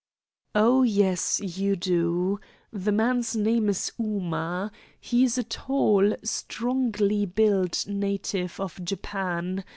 "Oh yes, you do. The man's name is Ooma. He is a tall, strongly built native of Japan.